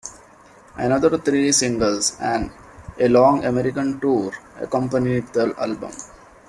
Another three singles and a long American tour accompanied the album.